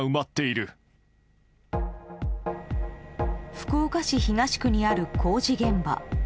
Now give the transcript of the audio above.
福岡市東区にある工事現場。